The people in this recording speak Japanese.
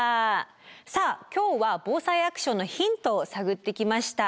さあ今日は「ＢＯＳＡＩアクション」のヒントを探ってきました。